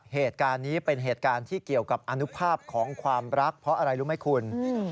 เหตุการณ์นี้เป็นเหตุการณ์ที่เกี่ยวกับอนุภาพของความรักเพราะอะไรรู้ไหมคุณ